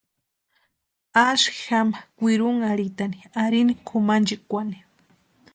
Asï jama kwirunharhitani arini kʼumanchikwani.